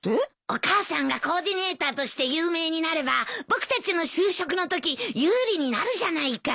お母さんがコーディネーターとして有名になれば僕たちの就職のとき有利になるじゃないか。